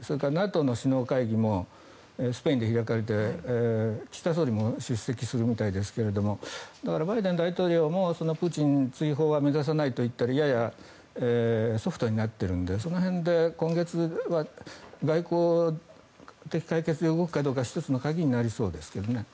ＮＡＴＯの首脳会議もスペインで開かれて岸田総理も出席するみたいですがだからバイデン大統領もプーチン追放は目指さないと言ったりややソフトになっているのでその辺で今月は外交的解決に動くかどうか１つの鍵になりそうですけどね。